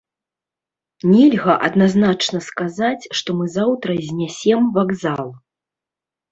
Нельга адназначна сказаць, што мы заўтра знясем вакзал.